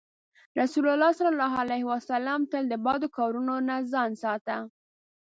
رسول الله ﷺ تل د بدو کارونو نه ځان ساته.